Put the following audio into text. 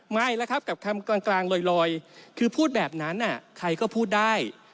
ไม่แล้วครับกับคำกลางลอยคือพูดแบบนั้นใครก็พูดได้